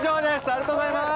ありがとうございます。